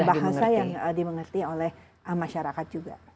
bahasa yang dimengerti oleh masyarakat juga